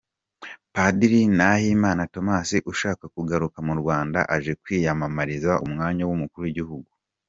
Padiri Nahimana Thomas ushaka kugaruka mu Rwanda aje kwiyamamariza umwanya w'umukuru w'igihugu.